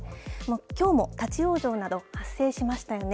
きょうも立往生など発生しましたよね。